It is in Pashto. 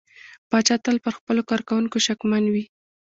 پاچا تل پر خپلو کارکوونکو شکمن وي .